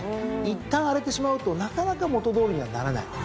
いったん荒れてしまうとなかなか元どおりにはならない。